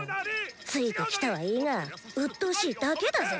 ついてきたはいいがうっとうしいだけだぜ！